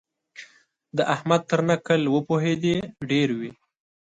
د احمد تر نکل وپوهېدې ډېر وي.